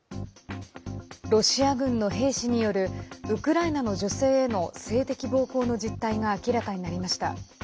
ロシア軍の兵士によるウクライナの女性への性的暴行の実態が明らかになりました。